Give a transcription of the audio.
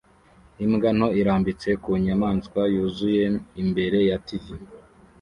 Imbwa nto irambitse ku nyamaswa yuzuye imbere ya TV